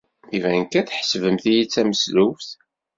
Iban kan tḥesbemt-iyi d tameslubt.